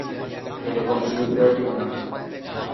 এ রকম সুযোগ দেয়া ঠিক না।